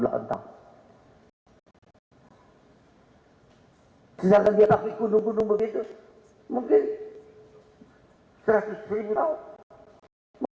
sedangkan dia nafri kudung kudung begitu mungkin satu ratus sepuluh ribu tahun